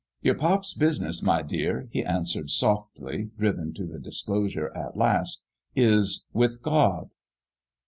" Your pop's business, my dear," he answered, softly, driven to the disclosure at last, " is with God."